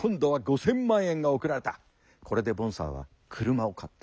これでボンサーは車を買った。